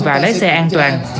và lái xe an toàn